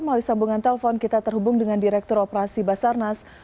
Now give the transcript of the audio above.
melalui sambungan telpon kita terhubung dengan direktur operasi basarnas